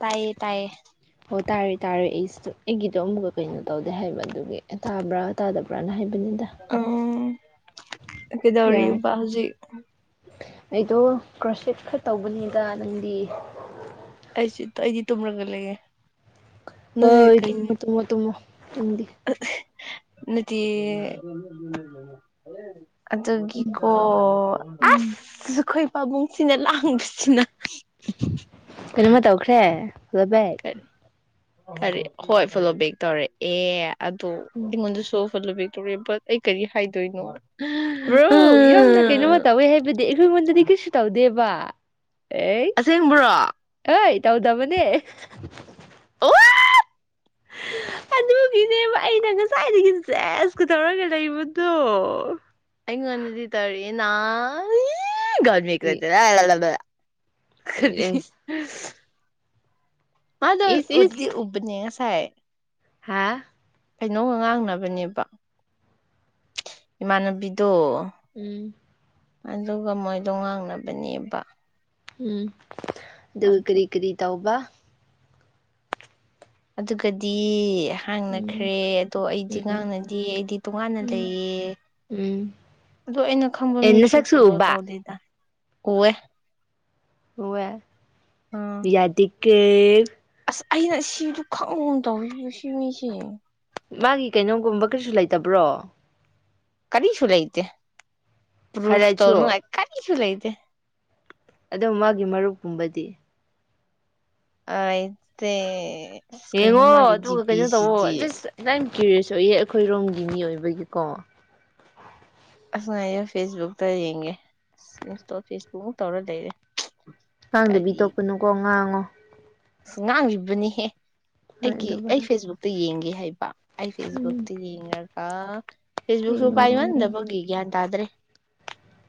ꯇꯌꯦ ꯇꯌꯦ ꯑꯣ ꯇꯥꯔꯦ ꯇꯥꯔꯦ ꯑꯩꯁꯤꯗ ꯑꯩꯒꯤꯗꯣ ꯑꯃꯨꯛꯀ ꯀꯩꯅꯣ ꯇꯧꯗꯦ ꯍꯥꯏꯕ ꯑꯗꯨꯒꯤ ꯇꯥꯕ꯭ꯔꯥ ꯇꯥꯗꯕ꯭ꯔꯅ ꯍꯥꯏꯕ ꯑ ꯌꯥꯔꯦ ꯀꯩꯗꯧꯔꯤꯕ ꯍꯧꯖꯤꯛ ꯑꯩꯗꯣ ꯀ꯭ꯔꯣꯁꯤꯞ ꯈꯔ ꯇꯧꯕꯅꯤꯗ ꯅꯪꯗꯤ ꯑꯩꯁꯤ [unintelligible] ꯇꯃꯔꯒ ꯂꯩꯌꯦ ꯍ ꯅꯪꯗꯤ ꯀꯩ ꯇꯨꯃꯣ ꯇꯨꯃꯣ ꯇꯨꯃꯣ ꯇꯝꯗꯤ ꯅꯠꯇꯤꯌꯦ ꯇꯨꯝꯃꯣ ꯑꯗꯨꯒꯤꯀꯣ ꯎꯝ ꯑꯁ ꯑꯩꯈꯣꯏ ꯄꯥꯕꯨꯡꯁꯤꯅ ꯂꯥꯡꯕꯁꯤꯅ ꯎ ꯀꯩꯅꯣꯃ ꯇꯧꯈ꯭ꯔꯦ [unintelligible] ꯀꯔꯤ ꯀꯔꯤ ꯍꯣꯏ ꯐꯣꯂꯣꯕꯦꯛ ꯇꯧꯔꯦ ꯑꯦ ꯑꯗꯨꯣ ꯑꯩꯉꯣꯜꯗꯁꯨ [unintelligible] ꯇꯣꯔꯦ ꯕꯠ ꯑꯩ ꯀꯔꯤ ꯍꯥꯏꯗꯣꯏꯅꯣ ꯕ꯭ꯔꯣ ꯌꯥꯝꯅ ꯀꯩꯅꯣꯃ ꯎꯝ ꯇꯧꯋꯦ ꯍꯥꯏꯕꯗꯤ ꯑꯩꯈꯣꯏꯉꯣꯟꯗꯗꯤ ꯀꯩꯁꯨ ꯇꯧꯗꯦꯕ ꯑꯦ ꯑꯁꯦꯡꯕ꯭ꯔꯣ ꯑꯦꯠ ꯇꯧꯗꯕꯅꯦ ꯑꯣ ꯑꯗꯨꯒꯤꯅꯦꯕ ꯑꯩꯅ ꯉꯁꯥꯏꯗꯒꯤ ꯖꯦꯁꯀ ꯇꯧꯔꯒ ꯂꯩꯕꯗꯣ ꯑꯩꯉꯣꯟꯅꯗꯤ ꯇꯔꯤ ꯅ ꯒꯜꯃꯤ ꯀꯔꯣꯏꯇꯔꯗ [unintelligible] ꯀꯗꯤ ꯑꯗꯣ ꯎ ꯗꯤ ꯎꯕꯅꯦ ꯍ ꯍꯥꯥ ꯀꯩꯅꯣꯒ ꯉꯥꯡꯅꯕꯅꯦꯕ ꯏꯃꯥꯟꯅꯕꯤꯗꯣ ꯎꯝ ꯑꯗꯨꯒ ꯃꯣꯏꯗꯣ ꯉꯥꯡꯅꯕꯅꯦꯕ ꯎꯝ ꯑꯗꯨꯒ ꯑꯗꯨ ꯀꯔꯤ ꯀꯔꯤ ꯇꯧꯕ ꯑꯗꯨꯒꯗꯤ ꯎꯝ ꯍꯥꯡꯅꯈ꯭ꯔꯦ ꯑꯗꯣ ꯑꯩꯗꯤ ꯎꯝ ꯉꯥꯡꯅꯗ ꯑꯩꯗꯤ ꯇꯣꯉꯥꯟꯅ ꯎꯝ ꯂꯩꯌꯦ ꯎꯝ ꯑꯗꯣ ꯑꯩꯅ ꯈꯪꯕ ꯑꯦ ꯃꯤꯁꯨ ꯅꯁꯛꯁꯨ ꯐꯣꯂꯣ ꯎꯕ ꯇꯧꯗꯦꯗ ꯀꯨꯋꯦ ꯑꯣꯦ ꯎꯝ [unintelligible] ꯌꯥꯗꯦ ꯀꯦ ꯑꯁ ꯑꯩꯅ ꯁꯤꯗꯨ ꯈꯪꯒꯨꯝ ꯇꯧ ꯁꯤ ꯃꯤꯁꯦ ꯃꯥꯒꯤ ꯀꯩꯅꯣꯒꯨꯝꯕ ꯀꯩꯁꯨ ꯂꯩꯇꯕ꯭ꯔꯣ ꯀꯔꯤꯁꯨ ꯂꯩꯇ ꯄ꯭ꯔꯨꯐ ꯍꯥꯏꯂꯥꯏꯠꯁꯨ ꯇꯧꯅꯅꯨꯡ ꯀꯥꯒꯤꯁꯨ ꯂꯩ ꯑꯣꯀꯦ ꯑꯣ ꯃꯥꯒꯤ ꯃꯔꯨꯞꯀꯨꯝꯕꯗꯤ ꯑꯠꯇꯦ ꯌꯦꯡꯉꯣ ꯑꯗꯨꯒ ꯀꯩꯅꯣ ꯇꯋꯣ ꯅꯪ ꯀꯤꯔꯦꯁꯌꯦ ꯑꯩꯈꯣꯏꯔꯣꯝꯒꯤ ꯃꯤ ꯑꯣꯏꯕꯒꯤꯀꯣ ꯑꯁ ꯉ ꯑꯩꯁꯨ ꯐꯦꯁꯕꯨꯛꯇ ꯌꯦꯡꯉꯦ ꯏꯟꯁꯇꯣꯜ ꯐꯦꯁꯕꯨꯛꯃꯨꯛ ꯇꯧꯔ ꯂꯩꯔꯦ ꯉꯥꯡꯗꯕꯤ ꯀꯔꯤ ꯇꯣꯛꯄꯅꯨꯀꯣ ꯉꯥꯡꯉꯣ [unintelligible] ꯑꯁ ꯉꯥꯡꯂꯤꯕꯅꯤꯍꯦ ꯍꯣꯏ ꯑꯩꯒꯤ ꯑꯗꯨꯒ ꯑꯩ ꯐꯦꯁꯕꯨꯛꯇ ꯌꯦꯡꯒꯦ ꯍꯥꯏꯕ ꯑꯩ ꯎꯝ ꯐꯦꯁꯕꯨꯛꯇꯤ ꯌꯦꯡꯉꯒ ꯐꯦꯁꯕꯨꯛꯁꯨ ꯌꯦꯡꯉꯣ ꯄꯥꯏꯃꯟꯗꯕꯒꯤ ꯒ꯭ꯌꯥꯟ ꯇ ꯗ꯭ꯔꯦ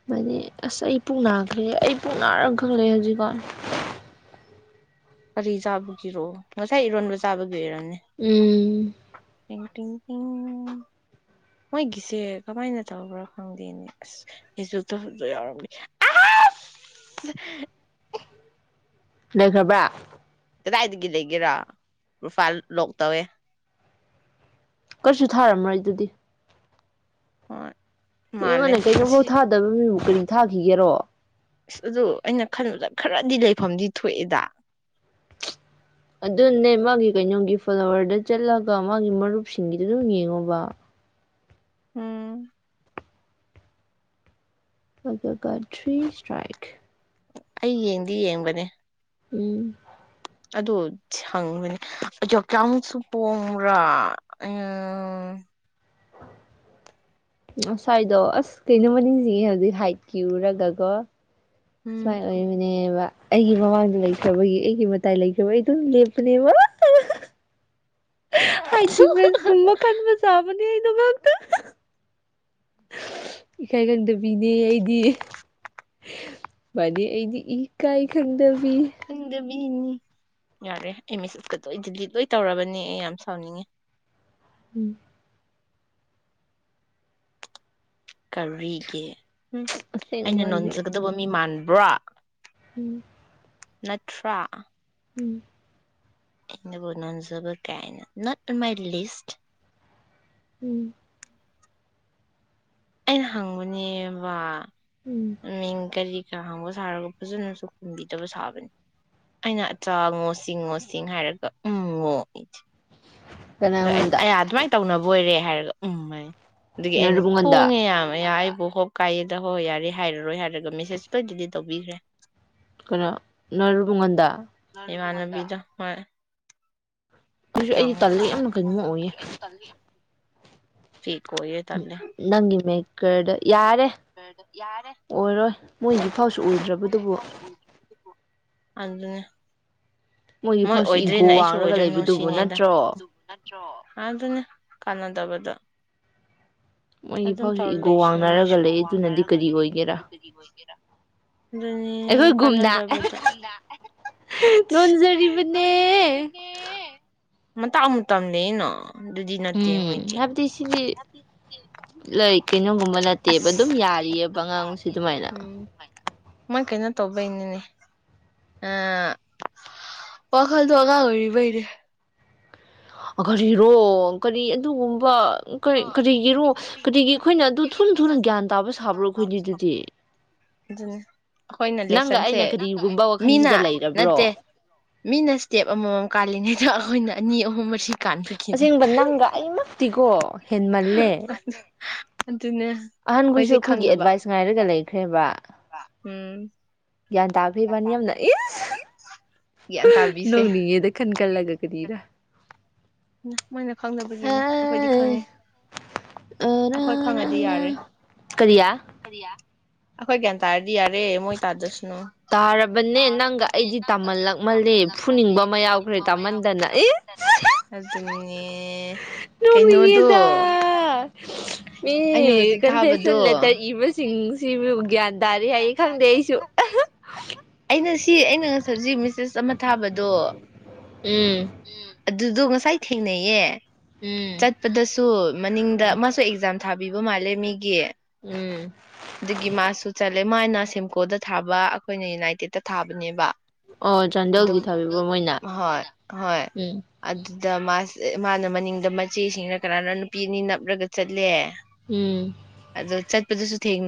ꯃꯅꯤ ꯑꯁ ꯑꯩ ꯄꯛ ꯅꯥꯈ꯭ꯔꯦ ꯑꯩ ꯄꯛ ꯅꯥꯔꯒ ꯈꯪꯛꯑꯦ ꯍꯧꯖꯤꯛꯀꯣ ꯀꯔꯤ ꯆꯥꯕꯒꯤꯔꯣ ꯉꯁꯥꯏ ꯏꯔꯣꯟꯕ ꯆꯥꯕꯒꯤ ꯑꯣꯏꯔꯝꯅꯦ ꯎꯝ ꯃꯣꯏꯒꯤꯁꯦ ꯀꯃꯥꯏꯅ ꯇꯧꯕ꯭ꯔꯥ ꯈꯪꯗꯦꯅꯦ ꯑꯁ ꯐꯦꯁꯕꯨꯛꯇ ꯌꯥꯎꯔꯝꯒꯦ ꯂꯩꯈ꯭ꯔꯕ꯭ꯔ ꯀꯗꯥꯏꯗꯒꯤ ꯂꯩꯒꯦꯔꯥ ꯄ꯭ꯔꯣꯐꯥꯏꯜ ꯂꯣꯛ ꯇꯧꯋꯦ ꯀꯔꯤꯁꯨ ꯊꯥꯔꯝꯃ꯭ꯔꯣꯏ ꯑꯗꯨꯗꯤ ꯍꯣꯏ ꯃꯥꯜꯂꯦ ꯏꯅ ꯀꯩꯅꯣ ꯑꯁꯤ ꯊꯥꯗ ꯃꯛꯅꯤ ꯊꯥꯈꯤꯒꯦꯔꯣ ꯑꯁ ꯑꯗꯨ ꯑꯩꯅ ꯈꯟꯕꯗ ꯈꯔꯗꯤ ꯂꯩꯐꯝꯗꯤ ꯊꯣꯛꯑꯦꯗ ꯑꯗꯨꯅꯦ ꯃꯥꯒꯤ ꯀꯩꯅꯣꯒꯤ ꯐꯂꯣꯋꯔꯗ ꯆꯠꯂꯒ ꯃꯥꯒꯤ ꯃꯔꯨꯞꯁꯤꯡꯒꯤꯗꯨ ꯑꯗꯨꯝ ꯌꯦꯡꯉꯣꯕ ꯎꯝ ꯒ ꯊ꯭ꯔꯤ ꯁꯇ꯭ꯔꯥꯏꯛ ꯑꯩ ꯌꯦꯡꯗꯤ ꯌꯦꯡꯒꯅꯤ ꯎꯝ ꯑꯗꯨ ꯍꯪꯕꯅꯤ ꯀꯌꯥꯃꯨꯛꯁꯨ ꯄꯣꯡꯕ꯭ꯔꯥ ꯑ ꯉꯁꯥꯏꯗꯣ ꯑꯁ ꯀꯩꯅꯣꯃ ꯅꯤꯡꯁꯤꯡꯉꯦ ꯍꯧꯗꯤ ꯍꯥꯏꯠꯀꯤꯤꯎꯨꯔꯒꯀꯣ ꯎꯝ ꯆꯥꯏ ꯑꯣꯏ ꯑꯩꯒꯤ ꯃꯃꯥꯡꯗ ꯂꯩꯈ꯭ꯔꯕꯒꯤ ꯑꯩꯒꯤ ꯃꯇꯥꯏ ꯂꯩꯈ꯭ꯔꯕ ꯑꯩ ꯑꯗꯨꯝ ꯂꯦꯞꯄꯅꯦꯕ ꯍꯥꯏꯥꯏꯇꯤ ꯄ ꯀꯃ ꯀꯥꯟꯕꯨ ꯆꯥꯕ ꯏꯀꯥꯏ ꯈꯪꯗꯕꯤꯅꯦ ꯑꯩꯗꯤ ꯃꯥꯅꯤ ꯑꯩꯗꯤ ꯏꯀꯥꯏ ꯈꯪꯗꯕꯤ ꯍꯗ ꯃꯤ ꯏꯅꯤ ꯌꯥꯔꯦ ꯑ ꯑꯦꯁ ꯑꯦꯁꯀꯗꯣ ꯗꯤꯂꯤꯠ ꯂꯣꯏ ꯇꯧꯔꯕꯅꯦ ꯑꯩ ꯌꯥꯝ ꯁꯥꯎꯅꯤꯡꯉꯦ ꯎꯝ ꯀꯧꯔꯤꯒꯦ ꯎꯝ ꯑꯩꯅ ꯑꯁꯦꯡꯕ ꯍꯥꯏꯗꯤ ꯅꯣꯟꯖꯒꯗꯕ ꯃꯤ ꯃ ꯕ꯭ꯔꯥ ꯎꯝ ꯅꯠꯇ꯭ꯔꯥ ꯎꯝ ꯑꯗꯕꯨꯅꯖꯕ ꯀꯥꯏꯅ ꯅꯣꯠꯟ ꯃꯥꯏ ꯂꯤꯁ ꯎꯝ ꯑꯩꯅ ꯍꯪꯕꯅꯦꯕ ꯎꯝ ꯃꯀꯖꯤ ꯄꯩꯁꯥ ꯍꯥꯡꯕ ꯁꯥꯔꯒ ꯐꯖꯅꯁꯨ ꯈꯟꯕꯤꯗꯕ ꯁꯥꯕꯅꯤ ꯑꯩꯅ ꯑꯆꯥꯉꯣ ꯁꯤꯡꯉꯣꯁꯤꯡ ꯍꯥꯏꯔꯒ ꯎꯝ ꯉꯣ ꯏꯦ ꯑꯗꯣ ꯀꯅꯥꯉꯣꯟꯗ ꯑꯌꯥ ꯑꯗꯨꯃꯥꯏꯅ ꯇꯧꯅꯕ ꯑꯣꯏꯔꯦ ꯍꯥꯏꯔꯦ ꯎꯝꯥꯏ ꯑꯗꯨꯗꯒꯤ ꯑꯩꯅ ꯅꯔꯨꯕꯉꯣꯟꯗ ꯄꯣꯡꯉꯦ ꯌꯥꯝ ꯌꯥ ꯕꯨꯣ ꯍꯞ ꯀꯥꯏꯦꯗ ꯍꯣꯏ ꯌꯥꯔꯦ ꯍꯥꯏꯔꯔꯣꯏ ꯍꯥꯏꯔꯒ ꯃꯦꯁꯦꯁ ꯂꯣꯏ ꯗꯤꯗꯤ ꯇꯧꯕꯤꯈ꯭ꯔꯦ ꯀꯩꯅꯣ ꯅꯔꯕꯨꯡꯒꯟꯗ ꯏꯃꯥꯟꯅꯕꯤꯗ ꯍꯣꯏ ꯑꯗꯨꯁꯨ ꯀꯌꯥ ꯑꯩꯗꯤ ꯇꯜꯂꯦ ꯅꯁꯥ ꯌꯥꯝꯅ ꯀꯩꯅꯣꯝꯃ ꯑꯣꯏꯌꯦ ꯅꯪꯒꯤ ꯃꯦꯀꯔꯗ ꯌꯥꯔꯦ ꯑꯣꯏꯔꯣꯏ ꯃꯣꯏꯗꯤꯐꯥꯎꯁꯨ ꯎꯗ꯭ꯔꯕꯗꯨꯕꯨ ꯑꯗꯨ ꯑꯗꯨꯅꯦ ꯃꯣꯏꯒꯤ ꯃꯣꯏ ꯐꯥꯎꯁꯨ ꯏꯒꯣ ꯑꯣꯏꯗ꯭ꯔꯦꯅꯦ ꯑꯩꯁꯨ ꯋꯥꯡꯔꯒ ꯑꯣꯏꯗꯔꯅꯨ ꯂꯩꯕꯗꯨꯕꯨ ꯁꯤꯅꯦꯗ ꯅꯠꯇ꯭ꯔꯣ ꯍꯕꯗꯨꯕꯨ ꯅꯠꯇ꯭ꯔꯣ ꯑꯗꯨꯅꯦ ꯀꯥꯟꯅꯗꯕꯗꯣ ꯃꯣꯏꯒꯤ ꯑꯗꯨꯝ ꯐꯥꯎꯁꯨ ꯇꯧꯔ ꯏꯒꯣ ꯂꯩꯁꯨ ꯃꯩ ꯋꯥꯡꯅꯔꯒ ꯂꯩ ꯑꯗꯨꯅꯗꯤ ꯀꯔꯤ ꯑꯣꯏꯒꯦꯔꯥ ꯑꯗꯨ ꯀꯅꯗꯕ ꯉꯣꯟꯖꯔꯤꯕꯅꯦ ꯃꯇ ꯑꯃꯨ ꯃꯇꯝꯗꯩꯅꯣ ꯎꯝ ꯍꯥꯏꯕꯗꯤ ꯁꯤꯗꯤ ꯂꯩ ꯀꯩꯅꯣꯒꯨꯝꯕ ꯅꯠꯇꯦꯕ ꯑꯗꯨꯝ ꯑꯁ ꯌꯥꯔꯤꯑꯕ ꯑꯉꯥꯡꯕꯁꯤ ꯑꯗꯨꯃꯥꯏꯅ ꯃꯥ ꯀꯩꯅꯣ ꯇꯧꯕꯩꯅꯤꯅꯦ ꯑ ꯋꯥꯈꯜ ꯊ ꯑ ꯀꯥ ꯑꯣꯏꯔꯤꯕꯩꯔꯦ ꯀꯔꯤꯔꯣ ꯀꯔꯤ ꯑꯗꯨꯒꯨꯝꯕ ꯀꯔꯤ ꯀꯔꯤꯒꯤꯔꯣ ꯀꯔꯤꯒꯤ ꯑꯩꯈꯣꯏꯅ ꯑꯗꯨ ꯊꯨꯅ ꯊꯨꯅ ꯒ꯭ꯌꯥꯟ ꯇꯥꯕ ꯁꯥꯕ꯭ꯔꯣ ꯑꯩꯈꯣꯏꯅꯤ ꯑꯗꯨꯗꯤ ꯑꯗꯨꯅꯤ ꯑꯩꯈꯣꯏꯅ ꯅꯪꯒ ꯂꯦꯁꯟꯁꯦ ꯑꯩꯅ ꯀꯔꯤꯒꯨꯝꯕ ꯃꯤꯅ ꯋꯥꯈꯜꯁꯤꯗ ꯅꯠꯇꯦ ꯂꯩꯔꯕ꯭ꯔꯣ ꯃꯤꯅ ꯏꯁꯇꯦꯞ ꯑꯃꯃꯝ ꯀꯥꯜꯂꯤꯉꯩꯗ ꯑꯩꯈꯣꯏꯅ ꯑꯅꯤ ꯑꯍꯨꯝ ꯃꯔꯤ ꯀꯥꯟꯕꯒꯤꯅꯦ ꯑꯁꯦꯡꯕ ꯅꯪꯒ ꯑꯩꯃꯛꯇꯤꯀꯣ ꯍꯦꯃꯜꯂꯦ ꯑꯗꯨꯅꯦ ꯑꯍꯟꯈꯣꯏꯁꯨ ꯃꯣꯏꯁꯦ ꯑꯩꯈꯣꯏꯒꯤ ꯈꯪꯗꯕ ꯑꯦꯗꯚꯥꯏꯁ ꯉꯥꯏꯔꯒ ꯂꯩꯈ꯭ꯔꯦꯕ ꯎꯝ ꯌꯥꯟ ꯇꯈꯩꯕꯅꯤꯌꯝ ꯅ ꯏ ꯒ꯭ꯌꯥꯟ ꯇꯥꯕꯤꯁꯦ ꯅꯅꯤꯗ ꯈꯟꯀꯂꯒ ꯀꯅꯤꯔ ꯎ ꯃꯣꯏꯅ ꯈꯪꯗꯕꯒꯤꯅꯦ ꯑꯩꯈꯣꯏꯗꯤ ꯈꯪꯉꯤ ꯑꯩꯈꯣꯏ ꯈꯪꯉꯗꯤ ꯌꯥꯔꯦ ꯀꯔꯤꯌꯥ ꯑꯩꯈꯣꯏꯒ꯭ꯌꯥꯟ ꯇꯔꯗꯤ ꯌꯥꯔꯦ ꯦ ꯃꯣꯏ ꯇꯥꯗꯁꯅꯨ ꯇꯥꯔꯕꯅꯦ ꯅꯪꯒ ꯇꯥꯔꯕꯅꯦ ꯑꯩꯗꯤ ꯅꯪꯒ ꯑꯩꯗꯤ ꯇꯥꯃꯜꯂꯛꯃꯜꯂꯦ ꯇꯥꯃꯜꯂꯝꯃꯜꯂꯦ ꯐꯨꯅꯤꯡꯕ ꯑꯃ ꯌꯥꯎꯈ꯭ꯔꯦ ꯐꯨꯅꯤꯡꯕ ꯑꯃ ꯌꯥꯎꯈ꯭ꯔꯦ ꯇꯥꯃꯟꯗꯅ ꯑꯦ ꯎ ꯅꯣꯡꯒꯤꯌꯦꯗ ꯃꯤ ꯑꯩꯅ ꯍꯧꯖꯤꯛ ꯀꯟꯐꯦꯁꯟ ꯊꯥꯕꯗꯣ ꯂꯦꯇꯔ ꯏꯕꯁꯤꯡꯁꯤꯕꯨ ꯒ꯭ꯌꯥꯟ ꯇꯥꯔꯦ ꯍꯥꯏꯌꯦ ꯈꯪꯗꯦ ꯑꯩꯁꯨ ꯇ ꯑꯩꯅ ꯁꯤ ꯑꯩꯅ ꯉꯁꯖꯤ ꯃꯤꯁꯦꯁ ꯑꯃ ꯊꯥꯕꯗꯣ ꯎꯝ ꯑꯗꯨꯗꯣ ꯉꯁꯥꯏ ꯊꯦꯡꯅꯩꯌꯦ ꯎꯝ ꯆꯠꯄꯗꯁꯨ ꯎꯝ ꯃꯅꯤꯡꯗ ꯃꯥꯁꯨ ꯑꯦꯛꯖꯥꯝ ꯊꯥꯕ ꯃꯥꯜꯦ ꯃꯤ ꯒꯤ ꯎꯝ ꯑꯗꯨꯒꯤ ꯃꯥꯁꯨ ꯂꯩꯃꯥꯏꯅ ꯁꯤꯝꯀꯣꯗ ꯊꯥꯕ ꯑꯩꯈꯣꯏꯅ ꯌꯨꯅꯥꯏꯇꯦꯠꯇ ꯊꯥꯕꯅꯦꯕ ꯑꯣ ꯆꯥꯟꯗꯦꯜꯒꯤ ꯊꯥꯕꯤꯕ ꯃꯣꯏꯅ ꯍꯣꯏ ꯍꯣꯏ ꯎꯝ ꯑꯗꯨ ꯑꯗ ꯃꯥꯁ ꯃꯥꯅ ꯃꯅꯤꯡꯗ ꯃꯆꯦꯁꯤꯡꯅ ꯀꯅꯥꯅ ꯅꯨꯄꯤ ꯑꯅꯤ ꯅꯞꯂꯒ ꯆꯠꯂꯦ ꯎꯝ ꯁꯨ ꯊ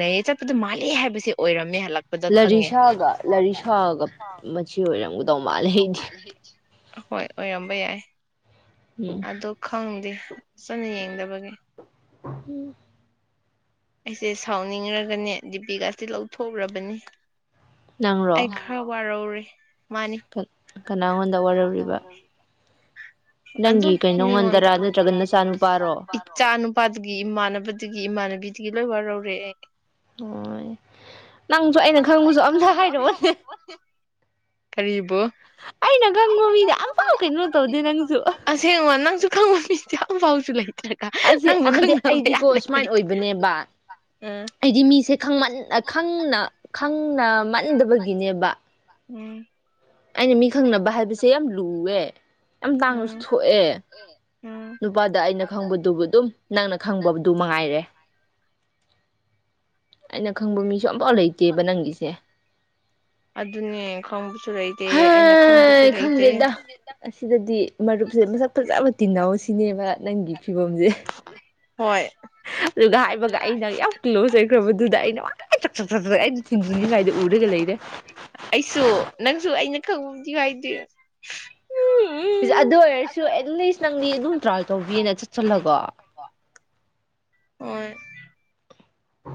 ꯍꯦꯛ ꯆ ꯃꯥ ꯍꯥꯏꯕꯁꯦ ꯑꯣꯏꯔꯝꯃꯦ ꯍꯜꯂꯛꯄꯗ ꯈꯪꯉꯦ ꯂꯔꯤꯁꯥꯒ ꯂꯔꯤꯁꯥꯒ ꯃꯆꯤ ꯑꯣꯏꯔꯝꯒ ꯇꯣ ꯃꯥꯜ ꯍ ꯍꯣꯏ ꯑꯣꯏꯔꯝꯕ ꯌꯥꯏ ꯎꯝ ꯑꯗꯨꯗ ꯈꯪꯗꯗꯤ ꯁꯅ ꯌꯦꯡꯗꯕꯒꯤꯦ ꯎꯝ ꯑꯩꯁꯦ ꯁꯥꯎꯅꯤꯡꯔꯒꯅꯦ ꯗꯤꯄꯤꯀꯥꯁꯦ ꯂꯧꯊꯣꯛꯎꯔꯕꯅꯤ ꯅꯪꯔꯣ ꯑꯦꯈꯔ ꯋꯥꯔꯧꯔ ꯀꯅꯥꯉꯣꯟꯗ ꯋꯥꯔꯧꯔꯤꯕ ꯑꯗꯨꯝ ꯅꯪꯒꯤ ꯃꯤꯉꯣꯟꯗ ꯀꯩꯅꯣꯉꯣꯟꯗꯔꯥ ꯅꯠꯇ꯭ꯔꯒ ꯅꯆꯥꯅꯨꯄꯥꯔꯣ ꯏꯆꯥ ꯅꯨꯄꯥꯗꯨꯒꯤ ꯏꯃꯥꯟꯅꯕꯗꯨꯗꯒꯤ ꯏꯃꯥꯟꯅꯕꯤ ꯤ ꯂꯣꯏ ꯋꯥꯔꯔꯦ ꯍ ꯅꯪꯁꯨ ꯑꯩꯅ ꯈꯪꯕꯁꯨ ꯑꯣ ꯑꯩꯅ ꯈꯪꯕ ꯃꯤꯗ ꯑꯝꯐꯥꯎ ꯀꯩꯅꯣ ꯇꯧꯗꯦ ꯅꯪꯁꯨ ꯑꯁꯦꯡꯕ ꯅꯪꯁꯨ ꯈꯪꯕ ꯃꯤꯁ ꯑꯣ ꯄꯥꯎꯁꯤꯍꯦ ꯑꯁꯦ ꯑꯗꯨꯅꯗꯤ ꯑꯩꯗꯤꯀꯣ ꯁꯨꯃꯥꯏꯅ ꯑꯣꯏꯕꯅꯦꯕ ꯑꯥ ꯑꯩꯗꯤ ꯃꯤꯁꯦ ꯈ ꯈꯪꯅ ꯈꯪꯅ ꯃꯟꯗꯕꯒꯤꯅꯦꯕ ꯎꯝ ꯑꯩꯅ ꯃꯤ ꯈꯪꯅꯕ ꯍꯥꯏꯕꯁꯦ ꯌꯥꯝ ꯂꯨꯑꯦ ꯌꯥꯝ ꯇꯥꯡꯅꯁꯨ ꯎꯝ ꯊꯣꯛꯑꯦ ꯎꯝ ꯅꯨꯄꯥꯗ ꯑꯩꯅ ꯈꯪꯕꯗꯨꯕꯨ ꯑꯗꯨꯝ ꯅꯪꯅ ꯈꯪꯕꯗꯨ ꯃꯉꯥꯏꯔꯦ ꯑꯩꯅ ꯈꯪꯕ ꯃꯤꯁꯨ ꯑꯝꯐꯥꯎ ꯂꯩꯇꯦꯕ ꯅꯪꯒꯤꯁꯦ ꯨ ꯂꯩꯇꯦ ꯑꯩꯅ ꯈꯪꯕꯁꯨ ꯍꯩ ꯂꯩꯇꯦ ꯈꯪꯗꯦꯗ ꯑꯁꯤꯗꯗꯤ ꯃꯔꯨꯞꯁꯦ ꯃꯁꯛ ꯐꯖꯕ ꯇꯤꯟꯅꯧ ꯁꯤꯅꯦꯕ ꯅꯪꯒꯤ ꯐꯤꯕꯝꯁꯦ ꯍꯣꯏ ꯑꯗꯨꯒ ꯍꯥꯏꯕꯒ ꯑꯩꯅ ꯌꯥꯝ ꯀ꯭ꯂꯣꯖ ꯑꯣꯏꯈ꯭ꯔꯕꯗꯨꯗ ꯑꯩꯅ ꯋꯥ ꯆ ꯑꯩꯅ ꯊꯤꯟꯁꯤꯟꯅꯤꯡꯉꯥꯏꯗ ꯎꯔꯒ ꯂꯩꯔꯦ ꯎꯗꯤ ꯋꯥꯏꯗ ꯑꯗꯨ ꯑꯣꯏꯔꯁꯨ ꯑꯦꯠꯂꯤꯁ ꯅꯪꯗꯤ ꯑꯗꯨꯝ ꯇ꯭ꯔꯥ ꯇꯧꯕꯤꯦꯅ ꯆꯠꯁꯤꯜꯂꯒꯣ ꯍꯣꯏ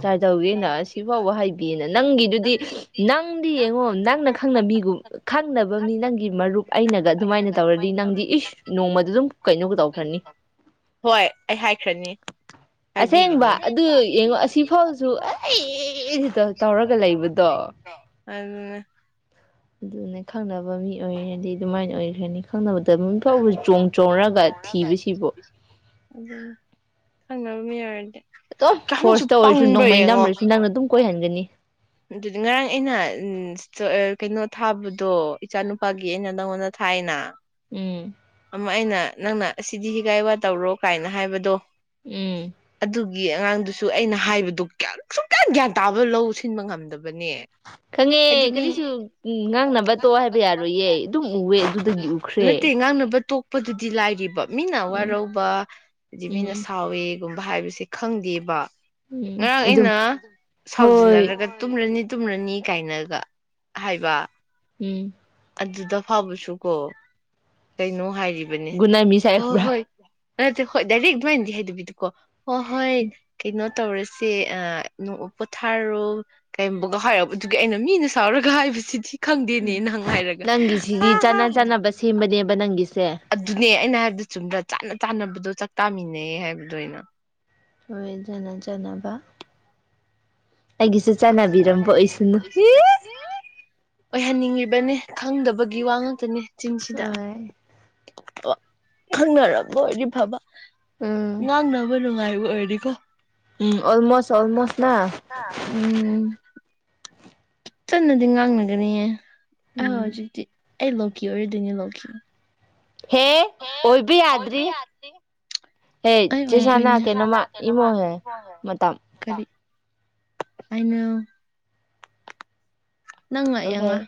ꯀꯥꯏ ꯇꯧꯒꯦꯅ ꯁꯤꯐꯥꯎꯕ ꯍꯥꯏꯕꯤꯑꯅ ꯅꯪꯒꯤꯗꯨꯗꯤ ꯅꯪꯗꯤ ꯌꯦꯡꯉꯣ ꯅꯪꯅ ꯈꯪꯅ ꯃꯤꯒꯨꯝ ꯈꯪꯅꯕ ꯃꯤ ꯅꯪꯒꯤ ꯃꯔꯨꯞ ꯑꯩꯅꯒ ꯑꯗꯨꯃꯥꯏꯅ ꯇꯧꯔꯗꯤ ꯅꯪꯗꯤ ꯏꯁ ꯅꯣꯡꯃꯗ ꯑꯗꯨꯝ ꯀꯩꯅꯣꯒ ꯇꯧꯈ꯭ꯔꯅꯤ ꯍꯣꯏ ꯑꯩ ꯍꯥꯏꯈ꯭ꯔꯅꯤ ꯍꯥꯏꯕꯤꯒꯅꯤ ꯑꯁꯦꯡꯕ ꯑꯗꯨ ꯌꯦꯡꯉꯣ ꯑꯁꯤꯐꯥꯎꯁꯨ ꯑ ꯑꯩ ꯁꯤꯗ ꯇꯧꯔꯒ ꯂꯩꯕꯗꯣ ꯑꯗꯨ ꯑꯗꯨꯅꯦ ꯈꯪꯅꯕ ꯃꯤ ꯑꯣꯏꯔꯗꯤ ꯑꯗꯨꯃꯥꯏꯅ ꯑꯣꯏꯈ꯭ꯔꯅꯤ ꯈꯪꯅꯕꯗ ꯑꯗꯨ ꯐꯥꯎꯕ ꯆꯣꯡ ꯆꯣꯡꯅꯔꯒ ꯊꯤꯕꯁꯤꯕꯨ ꯍꯪ ꯌꯥ ꯍꯥꯏꯔ ꯑꯗꯨꯝ ꯀꯌꯥꯃꯨꯛꯁꯨ ꯐꯣꯔꯁꯇ ꯑꯣꯏꯔꯁꯨ ꯄꯪꯕ꯭ꯔꯥ ꯅꯣꯡꯃꯩ ꯌꯦꯡꯉꯣ ꯅꯝꯔꯁꯨ ꯅꯪꯅ ꯑꯗꯨꯝ ꯀꯣꯏꯍꯟꯒꯅꯤ ꯑꯗꯨꯗꯤ ꯉꯔꯥꯡ ꯑꯩꯅ ꯎ ꯀꯩꯅꯣ ꯊꯥꯕꯗꯣ ꯏꯆꯥ ꯅꯨꯄꯥꯒꯤ ꯑꯩꯅ ꯅꯪꯉꯣꯟꯗ ꯊꯥꯏꯅ ꯎꯝ ꯑꯃ ꯑꯩꯅ ꯅꯪꯅ ꯑꯁꯤꯗꯤ ꯍꯤꯒꯥꯏ ꯋꯥ ꯇꯧꯔꯣ ꯀꯥꯏꯅ ꯍꯥꯏꯕꯗꯣ ꯎꯝ ꯒꯤ ꯑꯉꯥꯡꯗꯨꯁꯨ ꯑꯩꯅ ꯍꯥꯏꯕꯗꯨ ꯀꯌꯥ ꯁꯨꯡ ꯀꯌꯥ ꯒ꯭ꯌꯥꯟ ꯇꯥꯕ ꯂꯧ ꯁꯤꯟꯕ ꯉꯝꯗꯕ ꯈꯪꯉꯦ ꯀꯔꯤꯁꯨ ꯉꯥꯡꯅꯕ ꯇꯣ ꯍꯥꯏꯕ ꯌꯥꯔꯣꯏꯌꯦ ꯑꯗꯨꯝ ꯎꯋꯦ ꯑꯗꯨꯗꯒꯤ ꯎꯈ꯭ꯔꯦ ꯅꯠꯇꯦ ꯉꯥꯡꯅꯕ ꯇꯣꯛꯄꯗꯨꯗꯤ ꯂꯥꯏꯔꯤꯕ ꯃꯤꯅ ꯎꯝ ꯋꯥꯔꯧꯕ ꯍꯥꯏꯖꯤꯗꯤ ꯃꯤꯅ ꯎꯝ ꯁꯥꯎꯋꯦ ꯒꯨꯝꯕ ꯍꯥꯏꯕꯕꯁꯤ ꯈꯪꯗꯦꯕ ꯎꯝ ꯉꯔꯥꯡ ꯑꯗꯨꯝ ꯑꯩꯅ ꯍꯣꯏ ꯁꯥꯎꯖꯤꯟꯅꯔꯒ ꯇꯨꯝꯂꯅꯤ ꯇꯨꯝꯔꯅꯤ ꯀꯥꯏꯅꯒ ꯍꯥꯏꯕ ꯎꯝ ꯑꯗꯨꯗ ꯐꯕꯁꯨ ꯀꯣ ꯀꯩꯅꯣ ꯍꯥꯏ ꯨꯅꯥꯃꯤꯁꯥꯏ꯭ꯔꯥ ꯅꯠꯇꯦ ꯍꯣꯏ ꯗꯥꯏꯔꯦꯛ ꯑꯗꯨꯃꯥꯏꯅꯗꯤ ꯍꯥꯏꯗꯕꯤꯗꯤꯀꯣ ꯍ ꯍꯣꯏ ꯎꯝ ꯀꯩꯅ ꯇꯧꯔꯁꯦ ꯅꯣꯡꯃ ꯄꯣꯊꯥꯔꯣ ꯀꯩꯒꯨꯝꯕꯒ ꯍꯥꯏꯔꯛ ꯑꯗꯨꯒꯤ ꯑꯩꯅ ꯃꯤꯅ ꯁꯥꯎꯔꯒ ꯍꯥꯏꯕꯁꯤꯗꯤ ꯈꯪꯗꯦꯅꯦ ꯎꯝ ꯍꯪ ꯍꯥꯏꯔꯒ ꯅꯪꯒꯤꯁꯤꯗꯤ ꯆꯥꯟꯅ ꯆꯥꯟꯅꯕ ꯁꯦꯝꯕꯅꯦꯕ ꯅꯪꯒꯤꯁꯦ ꯑꯗꯨꯅꯦ ꯑꯩꯅ ꯍꯥꯏꯕꯗ ꯆꯨꯝꯗ꯭ꯔ ꯆꯥꯟꯅ ꯆꯥꯅꯕꯗꯣ ꯆꯥꯛꯇꯥꯃꯤꯟꯅꯩ ꯍꯥꯏꯕꯗꯣ ꯑ ꯑꯣꯏꯅ ꯍꯣꯏꯖꯖꯕ ꯑꯩꯒꯤꯁꯨ ꯆꯥꯟꯅꯕꯤꯔꯝꯕ ꯑꯣꯏꯁꯅꯨ ꯑꯣꯏꯍꯟꯅꯤꯡꯉꯤꯕꯅꯤ ꯈꯪꯗꯕꯒꯤ ꯋꯥ ꯉꯥꯛꯇꯅꯦ ꯆꯤꯡꯁꯤꯗ ꯍꯣꯏ ꯈꯪꯅꯝꯕ ꯑꯣꯏꯗꯤ ꯐꯕ ꯎꯝ ꯉꯥꯡꯅꯕ ꯅꯨꯡꯉꯥꯏꯕ ꯑꯣꯏꯗꯤꯀꯣ ꯎꯝ ꯑꯣꯜꯃꯣꯁ ꯣꯣ ꯑꯣꯜꯃꯣꯁ ꯅ ꯎꯝ ꯆꯟꯅꯗꯤ ꯉꯥꯡꯅꯒꯅꯤꯌꯦ ꯎꯝ ꯑꯖꯤꯗꯤ ꯑꯩ ꯂ ꯂꯧꯀꯤ ꯑꯣꯏꯔꯗꯤꯣꯏꯅꯦ ꯂ ꯂꯧꯀꯤ ꯍꯦ ꯑꯣꯏꯕ ꯌꯥꯗ꯭ꯔꯤ ꯍꯦ ꯑꯩ ꯆꯦꯁꯥꯅ ꯑꯣꯏꯗꯣꯏꯅꯦ ꯀꯩꯅꯣꯃ ꯏꯃꯣꯍꯦ ꯃꯇꯝ ꯀꯔꯤ ꯑꯩꯅ ꯅꯪ ꯉꯥꯛ ꯌꯥꯡꯉ ꯑꯣꯚꯥꯏ